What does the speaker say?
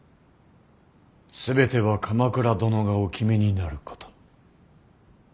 全ては鎌倉殿がお決めになること。